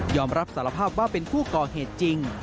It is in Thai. รับสารภาพว่าเป็นผู้ก่อเหตุจริง